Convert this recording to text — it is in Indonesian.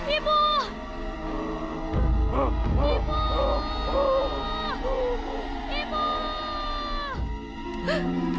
ibu yakin nak kamu masih hidup